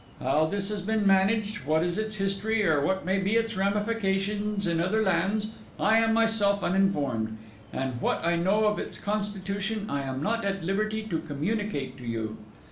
How this has been managed, what is its history, or what may be its ramifications in other lands, I am myself uninformed; and what I know of its constitution, I am not at liberty to communicate to you.